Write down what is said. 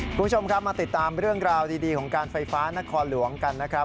คุณผู้ชมครับมาติดตามเรื่องราวดีของการไฟฟ้านครหลวงกันนะครับ